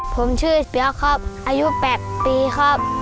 ผมชื่อเปี๊ยกครับอายุ๘ปีครับ